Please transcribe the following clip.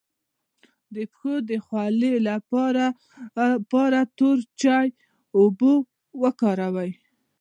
د پښو د خولې لپاره د تور چای اوبه وکاروئ